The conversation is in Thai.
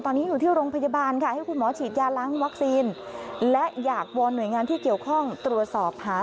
ตอนนี้อยู่ที่โรงพยาบาลค่ะ